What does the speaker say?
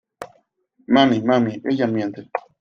¡ Mami! ¡ mami !¡ ella miente !